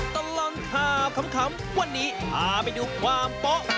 ตลังข่าวธรรมคำเพื่อนนี้พาไปดูผม